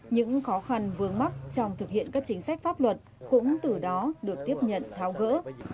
những khó khăn vướng mắt trong thực hiện các chính sách pháp luật cũng từ đó được tiếp nhận tháo gỡ